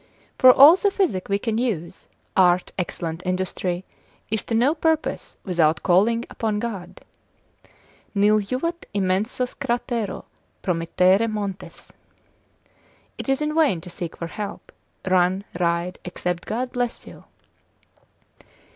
For all the physic we can use, art, excellent industry, is to no purpose without calling upon God, nil juvat immensos Cratero promittere montes: it is in vain to seek for help, run, ride, except God bless us.